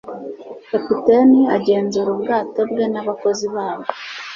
Kapiteni agenzura ubwato bwe nabakozi babwo